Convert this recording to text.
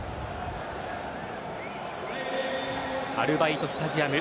アルバイト・スタジアム